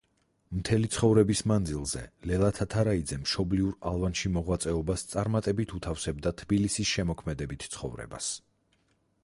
მთელი ცხოვრების მანძილზე, ლელა თათარაიძე მშობლიურ ალვანში მოღვაწეობას წარმატებით უთავსებდა თბილისის შემოქმედებით ცხოვრებას.